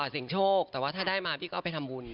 เสียงโชคแต่ว่าถ้าได้มาพี่ก็เอาไปทำบุญ